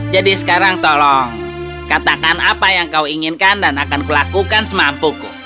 jadi sekarang tolong katakan apa yang kau inginkan dan akan kulakukan semampuku